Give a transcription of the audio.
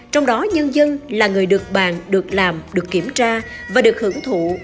trong đó nhân dân là người được bàn được làm được kiểm tra và được hưởng thụ